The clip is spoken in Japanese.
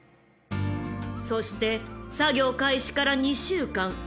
［そして作業開始から２週間］